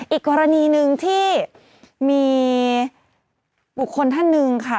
อีกกรณีหนึ่งที่มีบุคคลท่านหนึ่งค่ะ